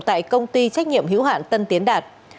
tại công ty trách nhiệm hữu hạn tân tiến đạt